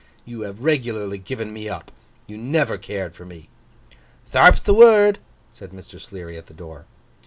You have regularly given me up. You never cared for me.' 'Tharp'th the word!' said Sleary, at the door.